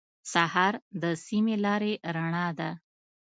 سهار د سمې لارې رڼا ده.